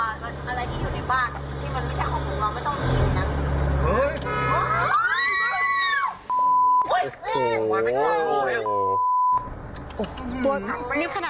อ่าอะไรที่อยู่ในบ้านที่มันไม่ใช่ของคุณคุณไม่ต้องมีนะ